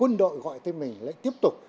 quân đội gọi tên mình lại tiếp tục